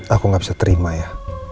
aku gak bisa terima ya